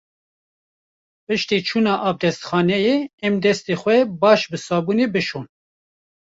Piştî çûna avdestxaneyê, em destên xwe baş bi sabûnê bişon.